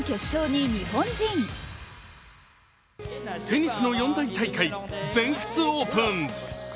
テニスの四大大会・全仏オープン。